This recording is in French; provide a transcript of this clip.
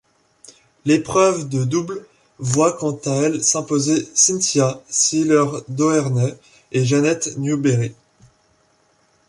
L'épreuve de double voit quant à elle s'imposer Cynthia Sieler-Doerner et Janet Newberry.